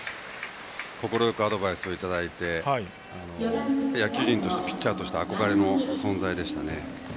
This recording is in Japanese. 快くアドバイスをいただき野球人としてピッチャーとして憧れの存在でしたね。